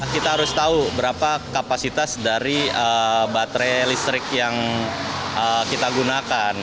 kita harus tahu berapa kapasitas dari baterai listrik yang kita gunakan